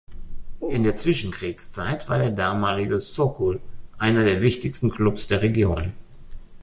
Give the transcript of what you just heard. In der Zwischenkriegszeit war der damalige Sokół einer der wichtigsten Clubs der Region.